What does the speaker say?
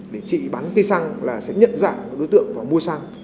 để chị bán cây xăng là sẽ nhận dạng đối tượng và mua xăng